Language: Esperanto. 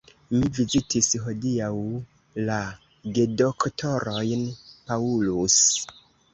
Mi vizitis hodiaŭ la gedoktorojn Paulus.